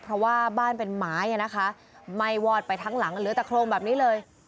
เพราะว่าบ้านเป็นไม้นะคะไหม้วอดไปทั้งหลังเหลือแต่โครงแบบนี้เลย